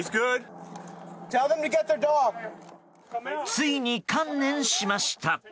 ついに観念しました。